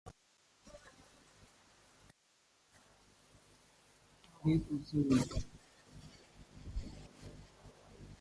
Again he was one of the top goalscorers for his club and the league.